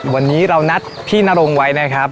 วันนี้เรานัดพี่นรงไว้นะครับ